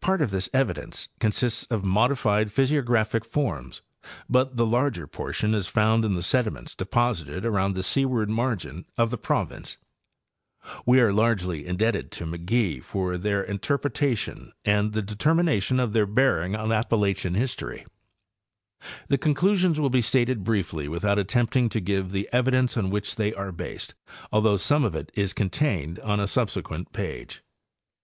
Part of this evidence consists of modified physiographic forms, but the larger portion is found in the sediments deposited around the seaward margin of the province. We are largely indebted to aid — Epetrogenic Movements. 89 McGee for their interpretation and the determination of their bearing on Appalachian history. The conclusions will be stated briefly without attempting to give the evidence on which they are based, although some of it is contained a subsequent page.